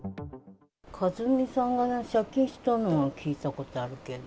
和美さんが借金したのは聞いたことあるけど。